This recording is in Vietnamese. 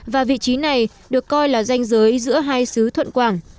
và vị trí này được coi là danh giới giữa hai xứ thuận quảng